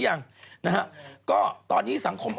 จากธนาคารกรุงเทพฯ